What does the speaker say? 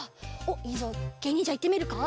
おっいいぞけいにんじゃいってみるか？